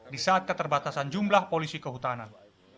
di saat keterbatasan jumlah polisi kehutanan